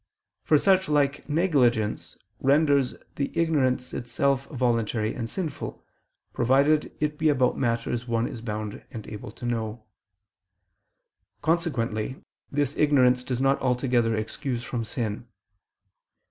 For such like negligence renders the ignorance itself voluntary and sinful, provided it be about matters one is bound and able to know. Consequently this ignorance does not altogether excuse from sin.